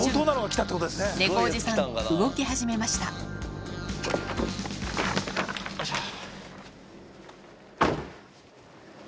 猫おじさん動き始めましたよいしょ。